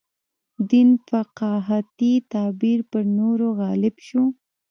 دین فقاهتي تعبیر پر نورو غالب شو.